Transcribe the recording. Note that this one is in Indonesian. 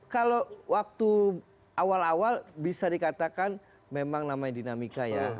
kalau waktu awal awal bisa dikatakan memang namanya dinamika ya